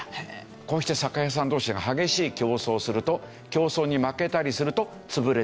こうして酒屋さん同士が激しい競争をすると競争に負けたりすると潰れてしまう。